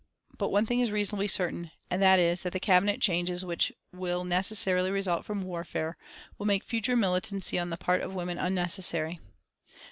But one thing is reasonably certain, and that is that the Cabinet changes which will necessarily result from warfare will make future militancy on the part of women unnecessary.